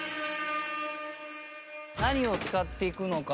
何を使っていくのかな？